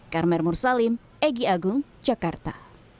karmel mursalim egy agung jakarta